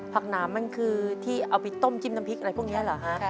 หนามมันคือที่เอาไปต้มจิ้มน้ำพริกอะไรพวกนี้เหรอฮะ